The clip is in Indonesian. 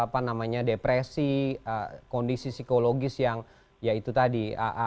tanda tanda depresi kondisi psikologis yang ya itu tadi